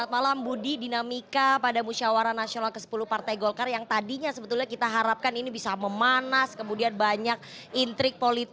walaupun situasi ekonomi dunia tahun ini belum sepenuhnya kondusif